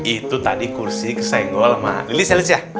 itu tadi kursi kesenggol sama lili seles ya